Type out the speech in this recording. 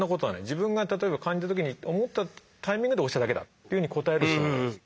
自分が例えば感じた時に思ったタイミングで押しただけだっていうふうに答えるそうなんです。